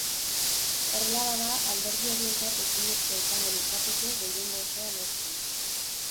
Horrela bada, alderdi horientzat ezinezkoa izango litzateke gehiengo osoa lortzea.